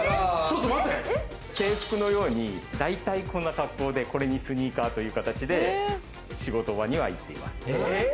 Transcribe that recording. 制服のように、大体こんな格好で、これにスニーカーという形で仕事場には行っています。